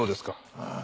ああ。